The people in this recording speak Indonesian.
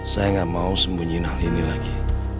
saya gak mau sembunyiin hal ini lagi